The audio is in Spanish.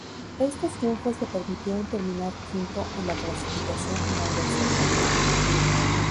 Estos triunfos le permitieron terminar quinto en la clasificación final del certamen.